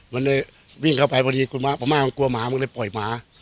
มันเลยวิ่งเข้าไปพอดีคุณมาพม่ามันกลัวหมามึงเลยปล่อยหมา